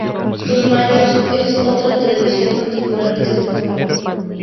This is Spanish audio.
Los Mayos es otra tradición particular de este pueblo.